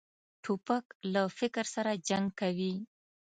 توپک له فکر سره جنګ کوي.